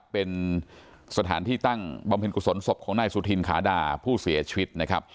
เป็นสถานที่ตั้งบำเพ็ญกุศลศพของนายสุธินขาดาผู้เสียชีวิตนะครับ